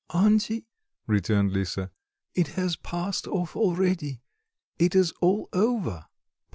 "Auntie," returned Lisa, "it has passed off already, it is all over."